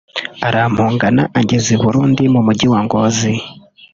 arampungana angeza i Burundi mu Mujyi wa Ngozi